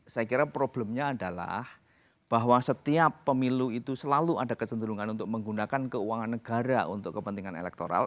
saya kira problemnya adalah bahwa setiap pemilu itu selalu ada kecenderungan untuk menggunakan keuangan negara untuk kepentingan elektoral